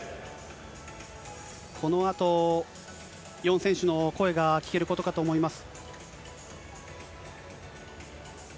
このあと４選手の声が聞けることかと思います。